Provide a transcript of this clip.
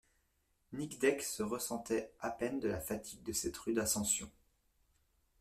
Nic Deck se ressentait à peine de la fatigue de cette rude ascension.